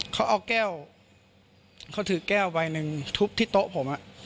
เขาเอาแก้วเขาถือแก้วใบหนึ่งทุบที่โต๊ะผม